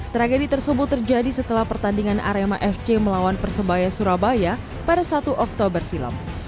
tragedi tersebut terjadi setelah pertandingan arema fc melawan persebaya surabaya pada satu oktober silam